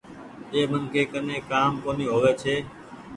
جنهن منکي ڪني ڪآم ڪونيٚ هووي ڇي۔